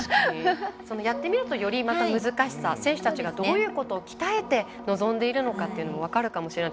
やってみると、より難しさ選手たちがどういうことを鍛えて臨んでいるのかというのも分かるかもしれない。